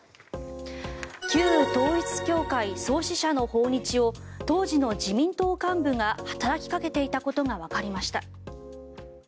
旧統一教会創始者の訪日を当時の自民党幹部が働きかけていたことがわかりました。